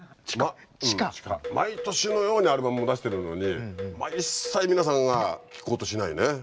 毎年のようにアルバムを出してるのにまあ一切皆さんが聴こうとしないね。